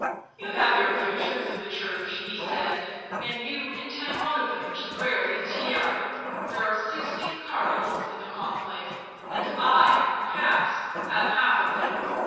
" You have your creatures in the Church," he said, " and you intend one of them to wear the Tiara — there are sixteen Cardinals in the Conclave, and I, perhaps, have half of them.